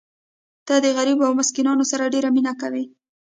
ته د غریبو او مسکینانو سره ډېره مینه کوې.